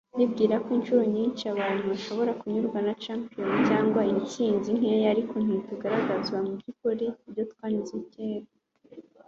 ndibwira ko inshuro nyinshi abantu bashobora kunyurwa na championat imwe cyangwa intsinzi nkeya, ariko ntitugaragaza mubyukuri ibyo twakoze kera